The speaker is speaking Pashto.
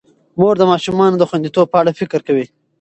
مور د ماشومانو د خوندیتوب په اړه فکر کوي.